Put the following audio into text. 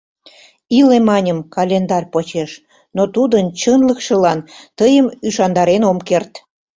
— Иле, маньым, календарь почеш, но тудын чынлыкшылан тыйым ӱшандарен ом керт.